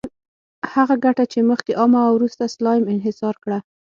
هغه ګټه چې مخکې عامه وه، وروسته سلایم انحصار کړه.